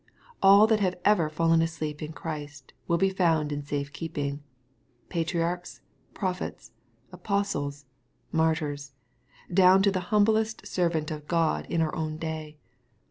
All that have ever fallen asleep in Christ will be found in safe keeping — patriarchs, prophets, apostles, martyrs — down to the humblest servant of God in our own day.